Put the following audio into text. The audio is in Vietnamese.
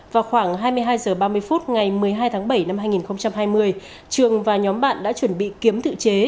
vào khoảng hai mươi hai h ba mươi phút ngày một mươi hai tháng bảy năm hai nghìn hai mươi trường và nhóm bạn đã chuẩn bị kiếm tự chế